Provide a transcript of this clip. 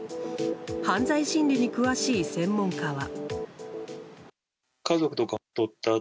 犯罪心理に詳しい専門家は。